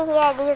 iya di rumah